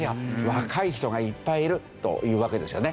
若い人がいっぱいいるというわけですよね。